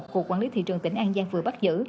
cục quản lý thị trường tỉnh an giang vừa bắt giữ